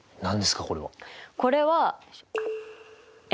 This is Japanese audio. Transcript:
これは。